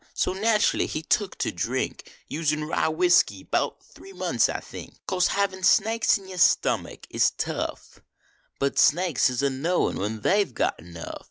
So natcherly he tuck to drink, Usin rye whiskey bout three months, I think. Course havin snaiks in the stummick is tough, But snaiks is a knowin when they ve got enough.